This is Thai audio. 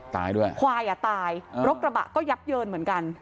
ตายด้วยควายอ่ะตายรถกระบะก็ยับเยินเหมือนกัน